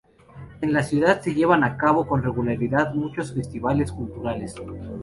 En la ciudad se llevan a cabo con regularidad muchos festivales culturales.